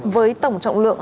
với tổng trọng lượng